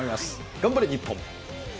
頑張れ日本。